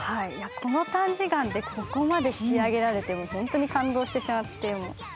この短時間でここまで仕上げられて本当に感動してしまって１００点